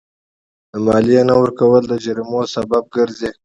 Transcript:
د مالیې نه ورکول د جریمو لامل ګرځي.